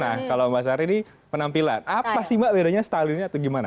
nah kalau mbak sari ini penampilan apa sih mbak bedanya stylenya atau gimana nih